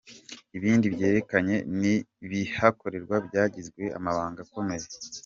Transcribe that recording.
Ibindi byerekeranye nibihakorerwa byagizwe amabanga akomeye.